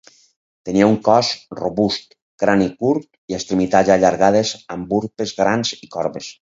Tenia un cos robust, crani curt i extremitats allargades amb urpes grans i corbes.